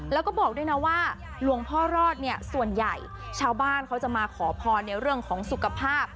แล้วก็บอกด้วยนะว่าหลวงพ่อรอดเนี่ยส่วนใหญ่ชาวบ้านเขาจะมาขอพรในเรื่องของสุขภาพ